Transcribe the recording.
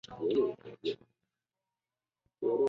也有人将训诂学分为新旧两种。